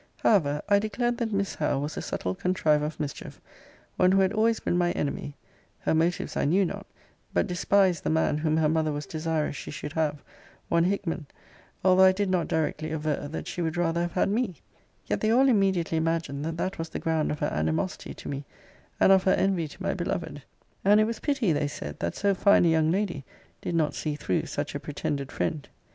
However, I declared that Miss Howe was a subtle contriver of mischief; one who had always been my enemy: her motives I knew not: but despised the man whom her mother was desirous she should have, one Hickman; although I did not directly aver that she would rather have had me; yet they all immediately imagined that that was the ground of her animosity to me, and of her envy to my beloved: and it was pity, they said, that so fine a young lady did not see through such a pretended friend.